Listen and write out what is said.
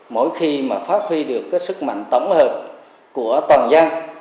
mỗi khi mà phát huy được cái sức mạnh tổng hợp của toàn dân